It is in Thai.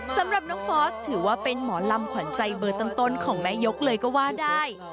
สำหรับน้องฟอสถือว่าเป็นหมอลำขวัญใจเบอร์ต้นของแม่ยกเลยก็ว่าได้